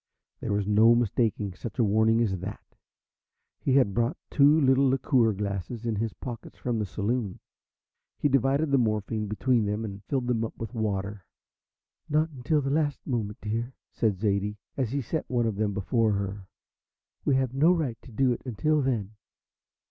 There was no mistaking such a warning as that. He had brought two little liqueur glasses in his pocket from the saloon. He divided the morphine between them, and filled them up with water. "Not until the last moment, dear," said Zaidie, as he set one of them before her. "We have no right to do it until then."